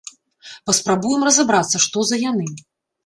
Паспрабуем разабрацца, што за яны.